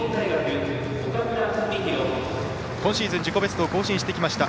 今シーズン、自己ベストを更新してきました。